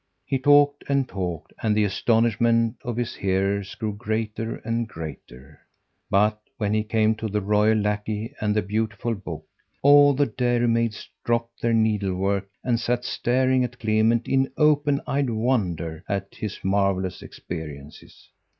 He talked and talked, and the astonishment of his hearers grew greater and greater; but when he came to the royal lackey and the beautiful book, all the dairymaids dropped their needle work and sat staring at Clement in open eyed wonder at his marvellous experiences.